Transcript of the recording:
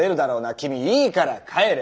君いいから帰れ。